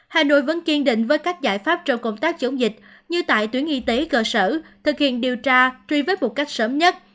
hà nội vẫn kiên định với các giải pháp trong công tác chống dịch như tại tuyến y tế cơ sở thực hiện điều tra truy vết một cách sớm nhất